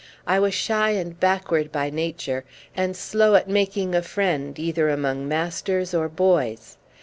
I was shy and backward by nature, and slow at making a friend either among masters or boys.